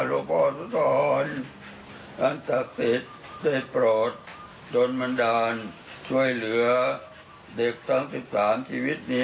หลวงพ่อแห่งและลูกหลวงพ่อสิทธิ์ของลูกพ่อต่อไป